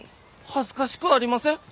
恥ずかしくありません。